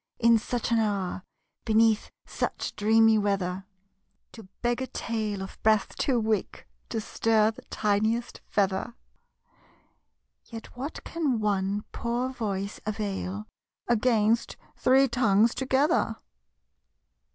In such an hour Beneath such dreamy weather, To beg a tale of breath too weak To stir the tiniest feather&xclm. Yet what can one poor voice avail Against three tongues together?